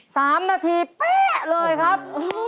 สามนาทีเป๊ะเลยครับ